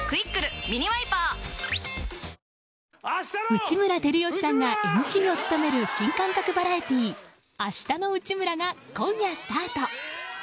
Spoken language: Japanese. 内村光良さんがＭＣを務める新感覚バラエティー「あしたの内村！！」が今夜スタート。